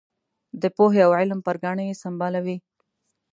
د پوهې او علم پر ګاڼه یې سمبالوي.